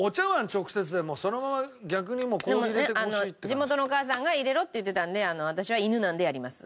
でもね地元のお母さんが入れろって言ってたんで私は犬なんでやります。